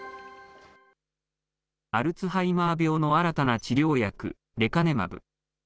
アルツハイマー病の新たな治療薬、レカネマブ。